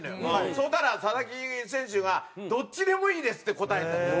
そしたら佐々木選手がどっちでもいいですって答えたと。